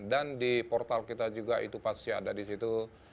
dan di portal kita juga itu pasti ada di situ